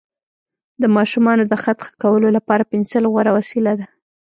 د ماشومانو د خط ښه کولو لپاره پنسل غوره وسیله ده.